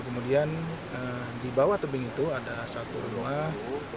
kemudian di bawah tebing itu ada satu rumah